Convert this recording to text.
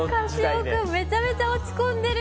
樫尾君めちゃめちゃ落ち込んでるよ。